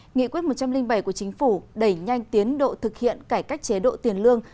nghị quyết một trăm linh bảy của chính phủ đẩy nhanh tiến độ thực hiện cải cách chế độ tiền lương